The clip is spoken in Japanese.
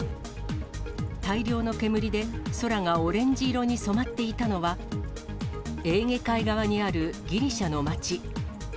大量の煙で空がオレンジ色に染まっていたのは、エーゲ海側にあるギリシャの街。